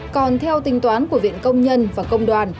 còn theo tính toán của viện công nhân và công đoàn